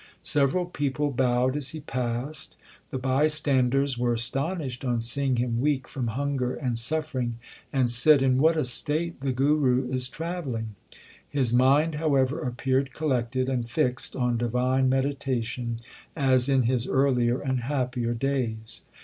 Several people bowed as he passed. The bystanders were astonished on seeing him weak from hunger and suffering, and said, In what a state the Guru is travelling ! His mind however appeared collected and fixed on divine meditation as in his earlier and happier days.